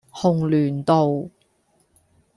紅鸞道